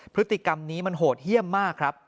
พฤติกรรมนี้มันโหดเยี่ยมมากครับ